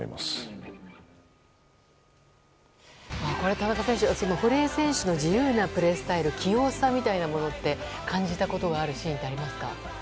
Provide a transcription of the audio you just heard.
田中選手、堀江選手の自由なプレースタイル器用さみたいなものって感じたことがあるシーンはありますか？